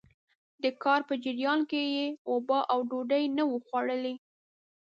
د کار په جريان کې يې اوبه او ډوډۍ نه وو خوړلي.